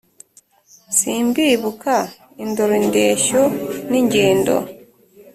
simbibuka indoro indeshyo n’ingendo